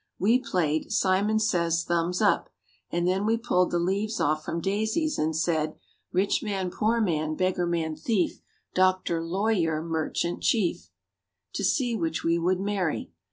We played "Simon says thumbs up" and then we pulled the leaves off from daisies and said, "Rich man, poor man, beggar man, thief, Doctor, lawyer, merchant, chief," to see which we would marry.